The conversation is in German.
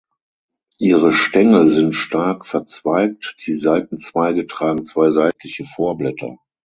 Ihre Stängel sind stark verzweigt, die Seitenzweige tragen zwei seitliche Vorblätter.